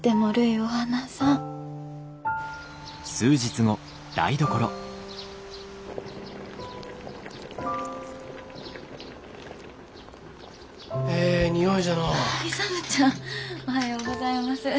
おはようございます。